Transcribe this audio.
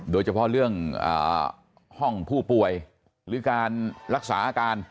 โดยเฉพาะเรื่องห้องผู้ป่วยหรือการรักษาอาการ